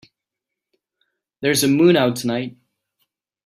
There's a moon out tonight.